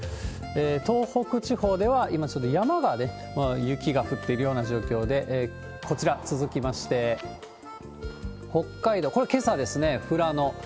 東北地方では今、ちょっと山がね、雪が降っているような状況で、こちら、続きまして、北海道、これ、けさですね、富良野。